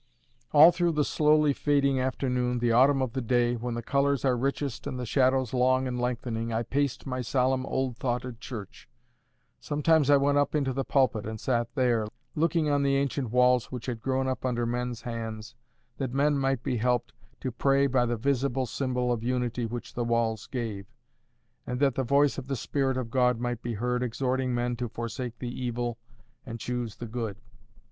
All through the slowly fading afternoon, the autumn of the day, when the colours are richest and the shadows long and lengthening, I paced my solemn old thoughted church. Sometimes I went up into the pulpit and sat there, looking on the ancient walls which had grown up under men's hands that men might be helped to pray by the visible symbol of unity which the walls gave, and that the voice of the Spirit of God might be heard exhorting men to forsake the evil and choose the good.